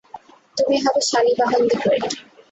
তুমি হবে শালীবাহন দি গ্রেট।